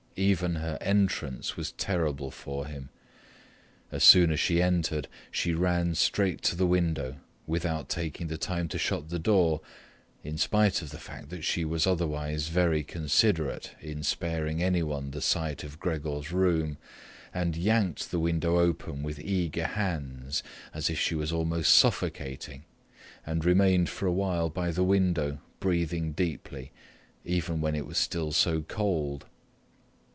Even her entrance was terrible for him. As soon as she entered, she ran straight to the window, without taking the time to shut the door, in spite of the fact that she was otherwise very considerate in sparing anyone the sight of Gregor's room, and yanked the window open with eager hands, as if she was almost suffocating, and remained for a while by the window breathing deeply, even when it was still so cold.